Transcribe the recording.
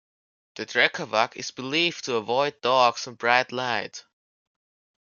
The drekavac is believed to avoid dogs and bright light.